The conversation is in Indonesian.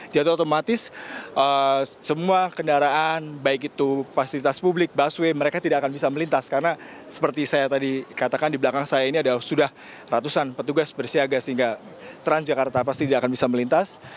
jadi jatuh otomatis semua kendaraan baik itu fasilitas publik busway mereka tidak akan bisa melintas karena seperti saya tadi katakan di belakang saya ini sudah ratusan petugas bersiaga sehingga transjakarta pasti tidak akan bisa melintas